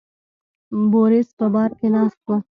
بوریس په بار کې ناست و.